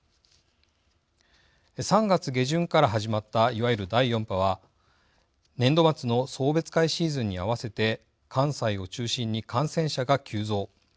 ３月下旬から始まったいわゆる第４波は年度末の送別会シーズンに合わせて関西を中心に感染者が急増。